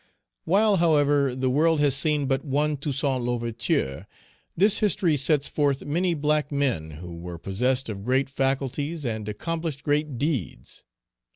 While, however, the world has seen but one Toussaint L'Ouverture, this history sets forth many black men who were possessed of great faculties and accomplished great deeds.